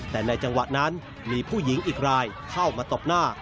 แต่ในจังหวะนั้นมีผู้หญิงอีกรายเข้ามาตบหน้า